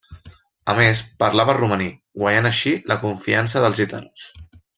A més, parlava romaní, guanyant així la confiança dels gitanos.